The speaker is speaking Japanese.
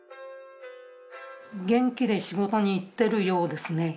「元気で仕事に行ってるようですね」